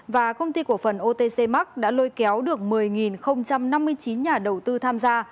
và công ty cổ phần otc mark đã lôi kéo được một mươi năm mươi chín nhà đầu tư tham gia